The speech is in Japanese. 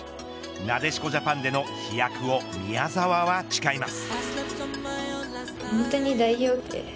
なでしこジャパンでの飛躍を宮澤は誓います。